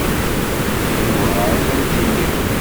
Yewɛeṛ ad am-d-iniɣ.